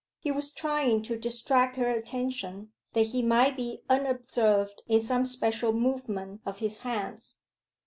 He was trying to distract her attention, that he might be unobserved in some special movement of his hands.